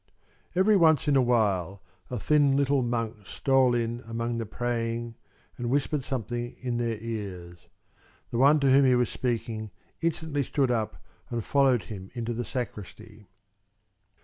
Every once in a while a thin little monk stole in among the praying and whispered something in their ears. The one to whom he was speaking instantly stood up and followed him into the sacristy.